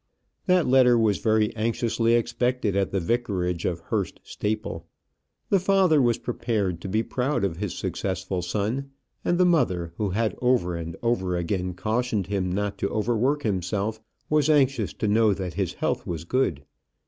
That letter was very anxiously expected at the vicarage of Hurst Staple. The father was prepared to be proud of his successful son; and the mother, who had over and over again cautioned him not to overwork himself, was anxious to know that his health was good.